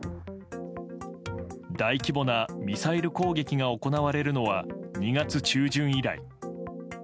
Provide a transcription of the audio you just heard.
大規模なミサイル攻撃が行われるのは２月中旬以来。